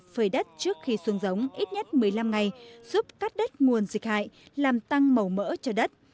phơi đất trước khi xuống giống ít nhất một mươi năm ngày giúp cắt đất nguồn dịch hại làm tăng màu mỡ cho đất